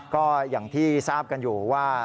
ก็อย่างที่ทราบกันอยู่ว่า